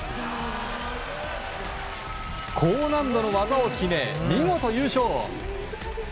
高難度の技を決め見事、優勝。